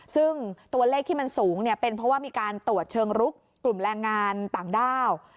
ซึ่งตัวเลขที่มันสูงเนี่ยเป็นเพราะว่ามีการตรวจเชิงรุกกลุ่มแรงงานต่างด้าว